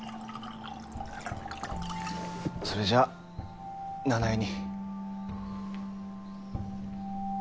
それじゃあ奈々江に。